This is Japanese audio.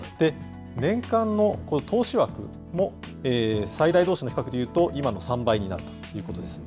年間の投資枠も最大どうしの比較でいうと、今の３倍になるということです。